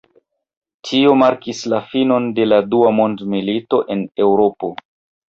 Tio markis la finon de la Dua Mondmilito en Eŭropo.